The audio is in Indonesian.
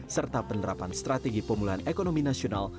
serta penerapan strategi pemulihan ekonomi nasional